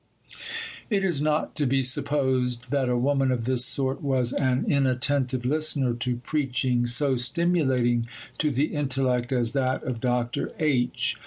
It is not to be supposed that a woman of this sort was an inattentive listener to preaching so stimulating to the intellect as that of Dr. H.